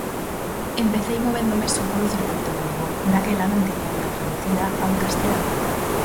Empecei movéndome só polo circuíto galego, daquela non tiña obra traducida ao castelán.